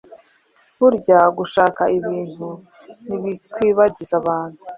Burya gushaka ubintu ntibikwibagiza abantu